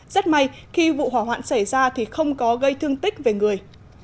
rất may khi vụ hỏa hoạn xảy ra thì không có gây thương tích về người